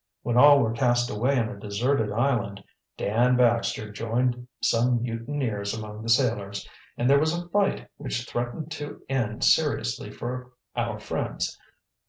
When all were cast away on a deserted island, Dan Baxter joined some mutineers among the sailors, and there was a fight which threatened to end seriously for our friends.